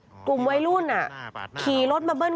คือตอนที่แม่ไปโรงพักที่นั่งอยู่ที่สพ